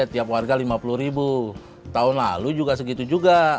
tuh tahun lalu juga segitu juga